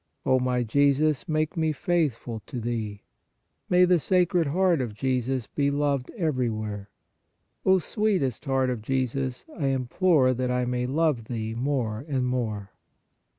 O my Jesus, make me faith ful to Thee. May the Sacred Heart of Jesus be loved everywhere. O sweetest Heart of Jesus, I implore that I may love Thee more and more.